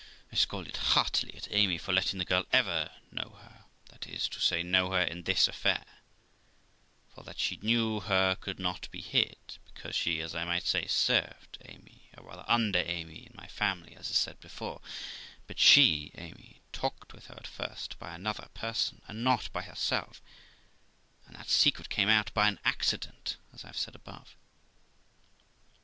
I scolded heartily at Amy for letting the girl ever know her, that is to say, know her in this affair; for that she knew her could not be hid, be cause she, as I might say, served Amy, or rather under Amy, in my family, as is said before; but she (Amy) talked with her at first by another person, and not by herself; and that secret came out by an accident, as I have said above.